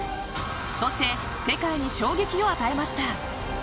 そして世界に衝撃を与えました。